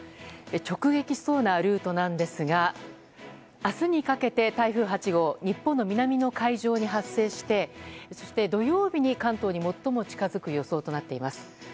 直撃しそうなルートなんですが明日にかけて、台風８号日本の南の海上に発生してそして土曜日に関東に最も近づく予想となっています。